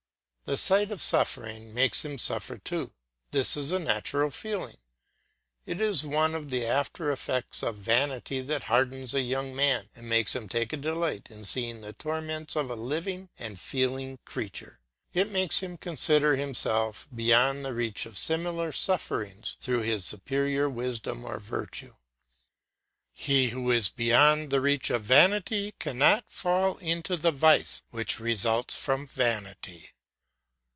The sight of suffering makes him suffer too; this is a natural feeling. It is one of the after effects of vanity that hardens a young man and makes him take a delight in seeing the torments of a living and feeling creature; it makes him consider himself beyond the reach of similar sufferings through his superior wisdom or virtue. He who is beyond the reach of vanity cannot fall into the vice which results from vanity.